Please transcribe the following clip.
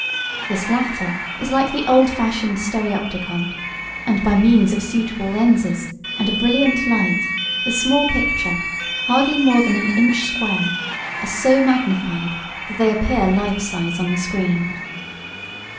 This latter is like the old fashioned stereopticon, and by means of suitable lenses, and a brilliant light, the small pictures, hardly more than an inch square, are so magnified that they appear life size on the screen.